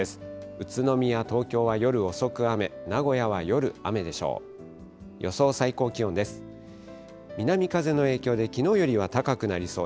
宇都宮、東京は夜遅く雨、名古屋は夜、雨でしょう。